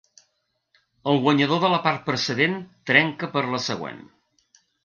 El guanyador de la part precedent trenca per a la següent.